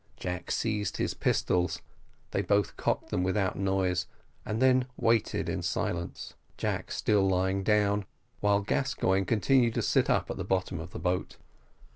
Jack seized his pistols they both cocked them without noise, and then waited in silence, Jack still lying down while Gascoigne continued to sit up at the bottom of the boat.